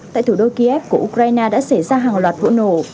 tại thủ đô kiev của ukraine đã xảy ra hàng loạt vụ nổ